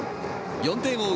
４点を追う